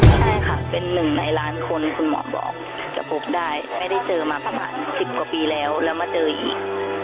ใช่ค่ะเป็นหนึ่งในล้านคนคุณหมอบอกจะพบได้ไม่ได้เจอมาประมาณ๑๐กว่าปีแล้วแล้วมาเจออีก